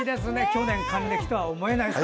去年、還暦とは思えない。